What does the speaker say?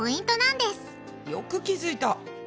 よく気付いた！